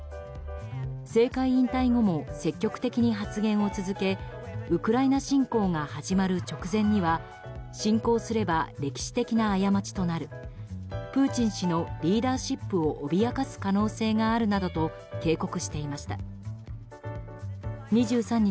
政界引退後も積極的に発言を続けウクライナ侵攻が始まる直前には侵攻すれば歴史的な過ちとなるプーチン氏のリーダーシップを脅かす可能性があるなどと警告していました。